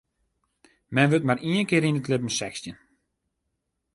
Men wurdt mar ien kear yn it libben sechstjin.